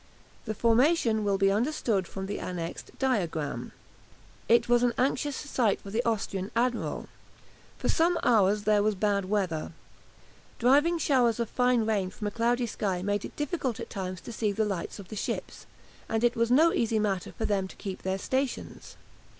The formation will be understood from the annexed diagram. It was an anxious night for the Austrian admiral. For some hours there was bad weather. Driving showers of fine rain from a cloudy sky made it difficult at times to see the lights of the ships, and it was no easy matter for them to keep their stations.